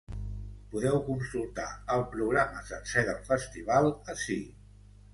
Podeu consultar el programa sencer del festival ací.